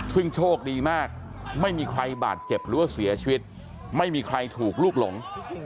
ซึ่งโชคดีมากไม่มีใครบาดเจ็บหรือว่าเสียชีวิตไม่มีใครถูกลูกหลง